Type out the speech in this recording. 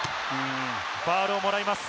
ファウルをもらいます。